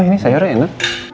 nah ini sayurnya enak